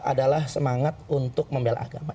adalah semangat untuk membela agama